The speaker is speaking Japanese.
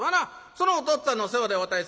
そのおとっつぁんの世話でわたい